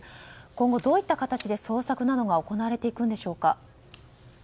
今後、どういった形で捜索などが行われていくんでしょうか。